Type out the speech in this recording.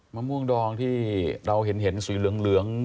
มะม่วงดองที่เราเห็นสีเหลือง